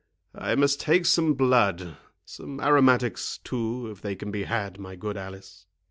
I must take some blood—some aromatics, too, if they can be had, my good Alice."